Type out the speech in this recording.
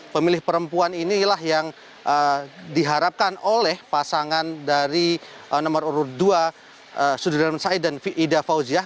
pemilih perempuan inilah yang diharapkan oleh pasangan dari nomor urut dua sudirman said dan ida fauziah